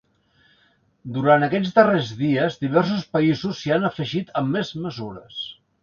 Durant aquests darrers dies, diversos països s’hi han afegit amb més mesures.